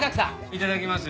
いただきます。